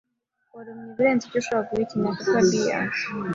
Warumye ibirenze ibyo ushobora guhekenya. (papabear)